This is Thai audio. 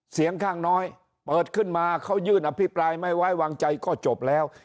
เสียงข้างน้อยเปิดขึ้นมาเขายื่นอภิปรายไม่ไว้วางใจก็จบแล้ว